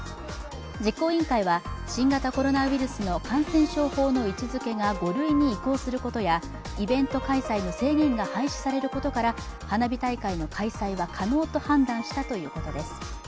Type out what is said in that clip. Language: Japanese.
実行委員会は新型コロナの感染症法の位置づけが５類に移行することや、イベント開催の制限が廃止されることから花火大会の開催は可能と判断したということです。